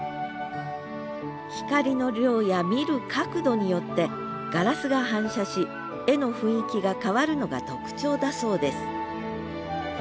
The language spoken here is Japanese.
光の量や見る角度によってガラスが反射し絵の雰囲気が変わるのが特徴だそうです。